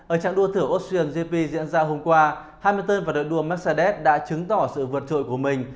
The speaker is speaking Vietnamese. ở trạng đua thử osian gp diễn ra hôm qua hamiton và đội đua mercedes đã chứng tỏ sự vượt trội của mình